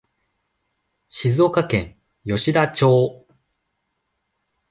静岡県吉田町